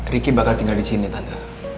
ricky bakal tinggal disini tante